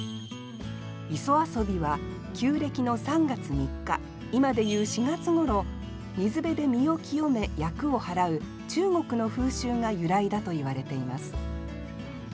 「磯遊」は旧暦の３月３日今でいう４月ごろ水辺で身を清め厄をはらう中国の風習が由来だといわれています。